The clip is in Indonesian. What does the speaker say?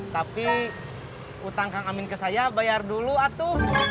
tapi utang kang amin ke saya bayar dulu atu